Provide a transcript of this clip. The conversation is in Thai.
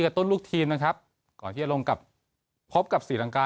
ต้นลูกทีมนะครับก่อนที่จะลงกับพบกับศรีลังกา